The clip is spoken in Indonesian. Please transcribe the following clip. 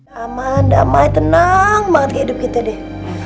aman damai tenang banget kehidupan kita deh